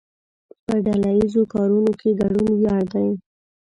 په ډله ایزو کارونو کې ګډون ویاړ دی.